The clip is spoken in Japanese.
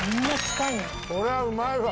こりゃうまいわ！